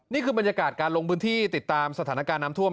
นี่คือบรรยากาศการลงพื้นที่ติดตามสถานการณ์น้ำท่วม